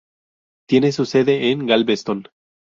Tiene su sede en Galveston.